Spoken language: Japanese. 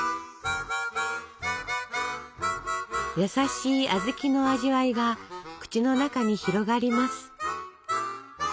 優しい小豆の味わいが口の中に広がります。